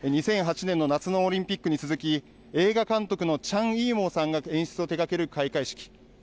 ２００８年の夏のオリンピックに続き、映画監督のチャン・イーモウさんが演出を手がける開会式。